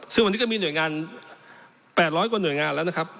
ซึ่งวันนี้ก็มีหน่วยงาน๘๐๐กว่าหน่วยงานแล้วนะครับ